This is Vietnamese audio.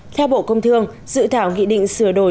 theo bộ công thương dự thảo nghị định sửa đổi